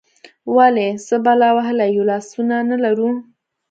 ولې، څه بلا وهلي یو، لاسونه نه لرو؟